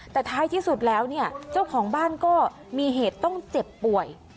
แต่ท้ายที่สุดแล้วเนี่ยเจ้าของบ้านก็มีเหตุต้องเจ็บป่วย